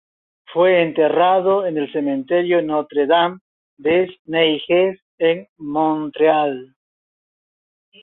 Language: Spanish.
Fue enterrado en el Cementerio Notre-Dame-des-Neiges en Montreal.